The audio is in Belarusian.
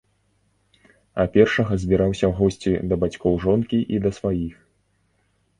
А першага збіраўся ў госці да бацькоў жонкі і да сваіх.